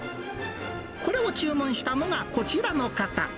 これを注文したのがこちらの方。